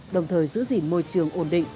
đồng thời giữ gìn môi trường ổn định